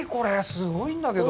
すごいんだけど。